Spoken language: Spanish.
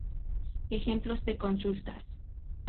Ejemplos de consultas.